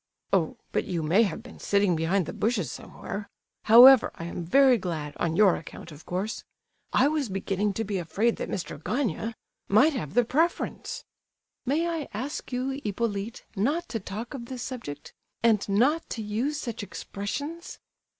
"Oh! but you may have been sitting behind the bushes somewhere. However, I am very glad, on your account, of course. I was beginning to be afraid that Mr. Gania—might have the preference!" "May I ask you, Hippolyte, not to talk of this subject? And not to use such expressions?"